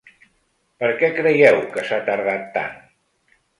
Per què creieu que s’ha tardat tant?